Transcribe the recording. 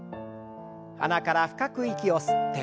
鼻から深く息を吸って。